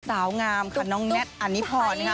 สาวงามคะน้องแนนทอันนี้พอนะคะ